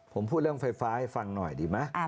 ผมพูดเรื่องไฟฟ้าให้ฟังหน่อยดีไหม